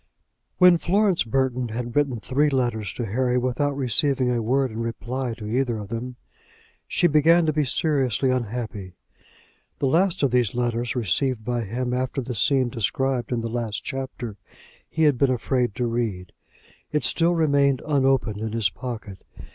When Florence Burton had written three letters to Harry without receiving a word in reply to either of them, she began to be seriously unhappy. The last of these letters, received by him after the scene described in the last chapter, he had been afraid to read. It still remained unopened in his pocket.